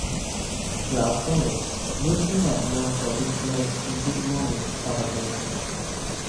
Throughout college, Woodson was known for big plays in big moments of a game.